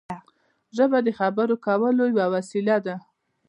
ژبه د خبرو کولو یوه وسیله ده.